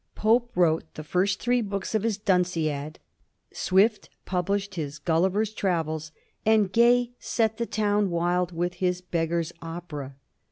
Pope wrote the first three books of his * Dunciad,' Swift published his * Gulli ver's Travels,' and Gay set the town wild with his * Beggar's Opera.'